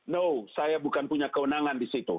no saya bukan punya kewenangan di situ